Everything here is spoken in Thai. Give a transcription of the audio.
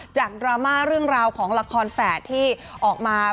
ดราม่าเรื่องราวของละครแฝดที่ออกมา